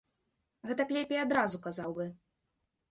Гэтак лепей адразу казаў бы!